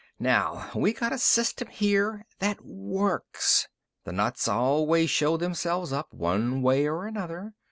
"Now, we got a system here that works. The nuts always show themselves up, one way or another.